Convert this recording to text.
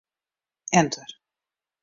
Enter.